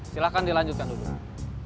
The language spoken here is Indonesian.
silahkan dilanjutkan duduk